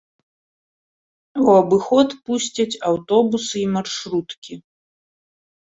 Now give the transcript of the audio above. У абыход пусцяць аўтобусы і маршруткі.